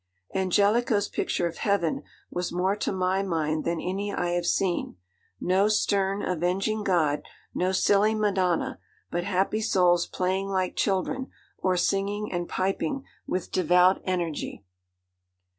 'Angelico's picture of heaven was more to my mind than any I have seen. No stern, avenging God, no silly Madonna, but happy souls playing like children, or singing and piping with devout energy.